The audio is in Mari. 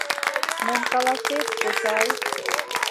Мом каласет, кочай?